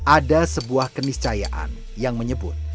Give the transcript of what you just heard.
ada sebuah keniscayaan yang menyebut